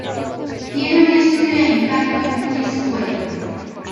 tiene un estudio de impacto muy escueto